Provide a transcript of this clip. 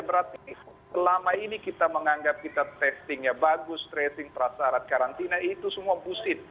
berarti selama ini kita menganggap kita testingnya bagus tracing prasarat karantina itu semua boosit